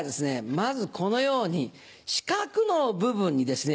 まずこのように四角の部分にですね